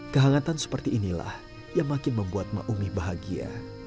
kehangatan seperti inilah yang makin membuat maumi bahagia